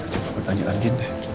coba pertanyaan lagi